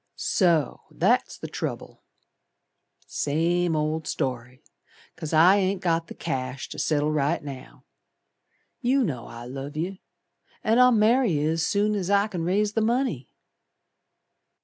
"So that's the trouble. Same old story. 'Cause I ain't got the cash to settle right now. You know I love yer, An' I'll marry yer as soon As I c'n raise the money."